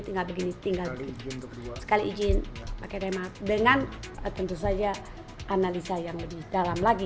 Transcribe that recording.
tinggal begini tinggal sekali izin pakai tema dengan tentu saja analisa yang lebih dalam lagi